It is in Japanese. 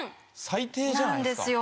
最低じゃないですか。